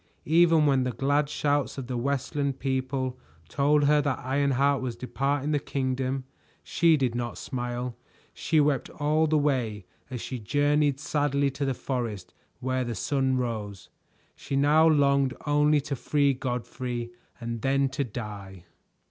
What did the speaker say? Even when the glad shouts of the Westland people told her that Ironheart was departing the kingdom, she did not smile. She wept all the way as she journeyed sadly to the forest where the sun rose. She now longed only to free Godfrey and then to die.